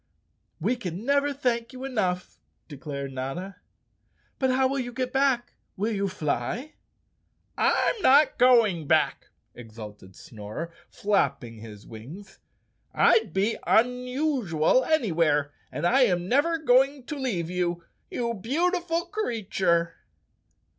"We can never thank you enough," declared Notta. "But how will you get back? Will you fly?" "I'm not going back," exulted Snorer, flapping his wings. "I'd be unusual anywhere and I am never go¬ ing to leave you, you beautiful creature."